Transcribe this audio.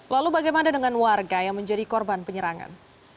lalu bagaimana dengan warga yang menjadi korban penyerangan